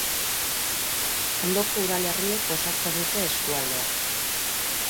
Ondoko udalerriek osatzen dute eskualdea.